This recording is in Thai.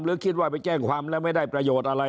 หรือคิดว่าไปแจ้งความแล้วไม่ได้ประโยชน์อะไร